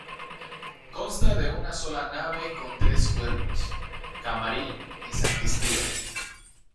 Consta de una sola nave con tres cuerpos, camarín y sacristía.